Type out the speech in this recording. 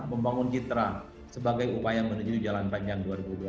membangun citra sebagai upaya menuju jalan panjang dua ribu dua puluh empat